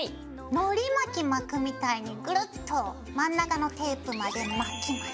のり巻き巻くみたいにグルッと真ん中のテープまで巻きます。